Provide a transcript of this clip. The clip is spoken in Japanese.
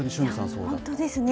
本当ですね。